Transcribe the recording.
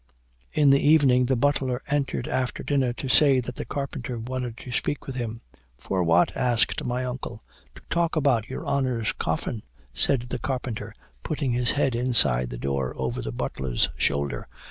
In the evening, the butler entered after dinner to say that the carpenter wanted to speak with him. 'For what?' asked my uncle. 'To talk about your honor's coffin,' said the carpenter, putting his head inside the door over the butler's shoulder.